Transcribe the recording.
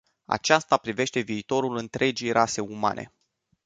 Aceasta privește viitorul întregii rase umane.